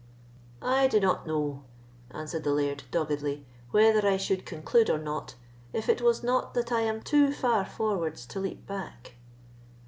"I do not know," answered the Laird, doggedly, "whether I should conclude or not, if it was not that I am too far forwards to leap back."